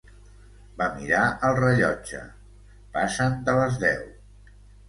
Va mirar el rellotge, "passen de les deu".